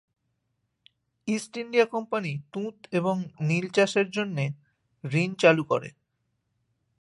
East India Company তুঁত এবং নীল চাষের জন্যে ঋণ চালু করে।